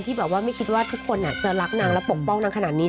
แบบว่าไม่คิดว่าทุกคนจะรักนางและปกป้องนางขนาดนี้